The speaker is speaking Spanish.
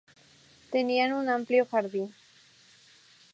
Tenían un amplio jardín.